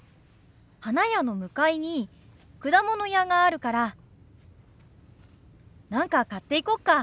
花屋の向かいに果物屋があるから何か買っていこうか。